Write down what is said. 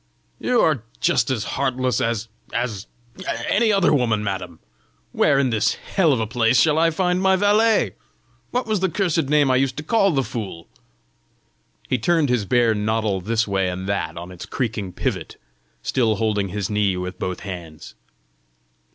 "You are just as heartless as as any other woman, madam! Where in this hell of a place shall I find my valet? What was the cursed name I used to call the fool?" He turned his bare noddle this way and that on its creaking pivot, still holding his knee with both hands.